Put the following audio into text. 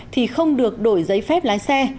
thì không được đổi giấy phép lái xe